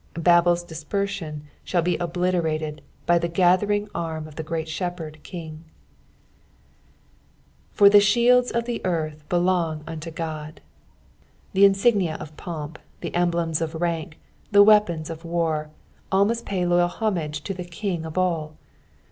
Bsbd'a dispersion shall be obliterated by the gathering arm of the Great Shepherd '• For the thielJe qf the earth Mong vnto God." The insignia of pomp, the emblems of rank, the weapons of war, all must pay loyal homage to the King of all.